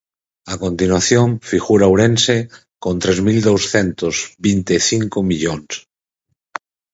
A continuación figura Ourense, con tres mil douscentos vinte e cinco millóns.